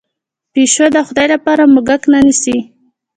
پیشو د خدای لپاره موږک نه نیسي.